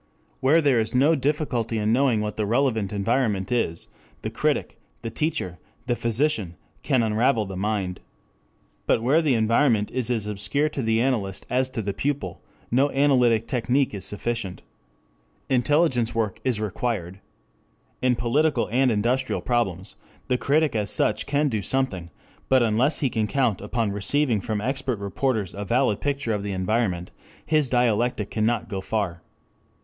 Where there is no difficulty in knowing what the relevant environment is, the critic, the teacher, the physician, can unravel the mind. But where the environment is as obscure to the analyst as to his pupil, no analytic technic is sufficient. Intelligence work is required. In political and industrial problems the critic as such can do something, but unless he can count upon receiving from expert reporters a valid picture of the environment, his dialectic cannot go far.